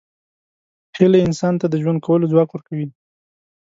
هیله انسان ته د ژوند کولو ځواک ورکوي.